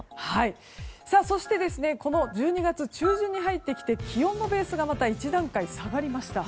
そして、１２月中旬に入って気温のベースが１段階下がりました。